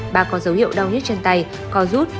bà có dấu hiệu đau nhất chân tay cỏ rút